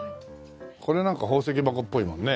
これなんか宝石箱っぽいもんね。